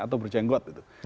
atau berjenggot gitu